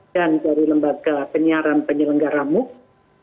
dan dari lembaga penyiaran penyelenggara muk